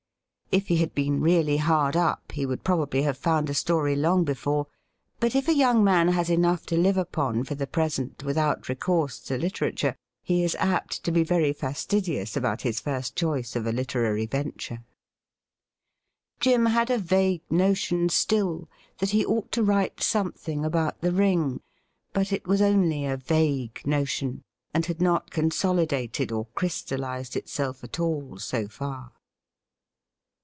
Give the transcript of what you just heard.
If he had been really hard up, he would probably have found a story long before. But if a young man has enough to live upon for the present without recourse to literature, he is apt to be very fastidious about his first choice of a literary venture. Jim had a vague notion still that he ought to write something about the ring, but it was only a vague notion, and had not consolidated or crystallized itself at all so far.